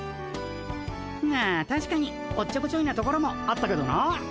まあたしかにおっちょこちょいなところもあったけどな。